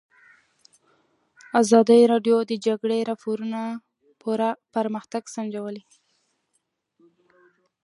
ازادي راډیو د د جګړې راپورونه پرمختګ سنجولی.